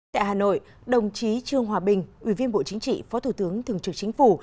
tại hà nội đồng chí trương hòa bình ủy viên bộ chính trị phó thủ tướng thường trực chính phủ